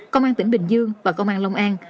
công an tỉnh bình dương và công an long an